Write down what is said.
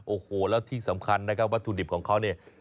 โอ้โหแล้วที่สำคัญนะครับวัตถุดิบของเขาเนี่ย